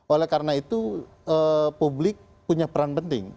oleh karena itu publik punya peran penting